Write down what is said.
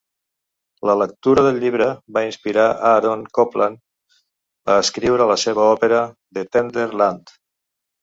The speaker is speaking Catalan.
La lectura del llibre va inspirar Aaron Copland a escriure la seva òpera "The Tender Land".